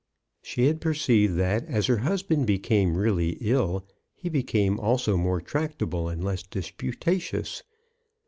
She had perceived that, as her husband be came really ill, he became also more tractable and less disputatious.